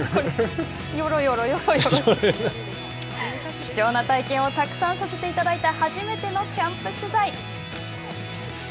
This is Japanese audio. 貴重な体験をたくさんさせていただいた初めてのキャンプ取材。